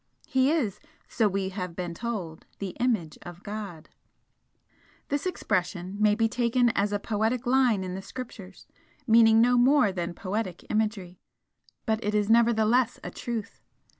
He is, so we have been told 'the image of God.' This expression may be taken as a poetic line in the Scriptures, meaning no more than poetic imagery, but it is nevertheless a truth.